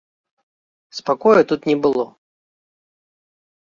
Спакою тут не было.